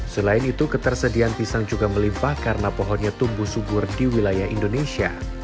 selain itu ketersediaan pisang juga melimpah karena pohonnya tumbuh subur di wilayah indonesia